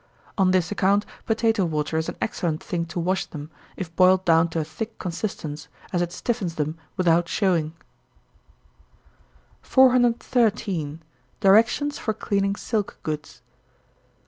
On this account potato water is an excellent thing to wash them, if boiled down to a thick consistence, as it stiffens them without showing. 413. _Directions for Cleaning Silk Goods.